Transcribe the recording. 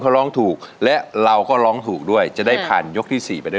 เครื่องของที่การดู